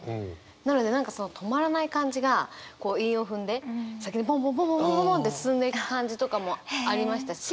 なので何かその止まらない感じがこう韻を踏んで先にぽんぽんぽんぽんぽんぽんって進んでいく感じとかもありましたし。